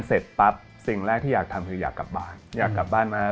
เสร็จปั๊บสิ่งแรกที่อยากทำคืออยากกลับบ้านอยากกลับบ้านมา